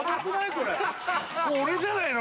これもう俺じゃないの？